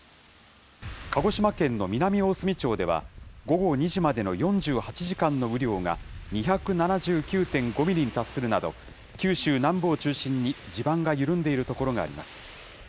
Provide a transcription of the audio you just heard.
鹿児島県の南大隅町では午後２時までの４８時間の雨量が２７９．５ミリに達するなど、九州南部を中心に地盤が緩んでいる所があります。